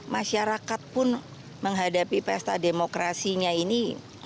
masyarakat pun menghadapi pesta demokrasinya ini